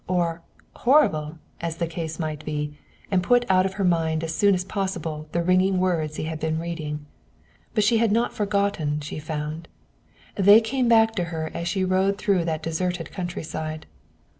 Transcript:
or "horrible," as the case might be, and put out of her mind as soon as possible the ringing words he had been reading. But she had not forgotten, she found. They came back to her as she rode through that deserted countryside.